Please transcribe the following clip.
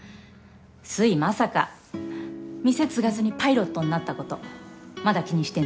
粋まさか店継がずにパイロットになった事まだ気にしてるの？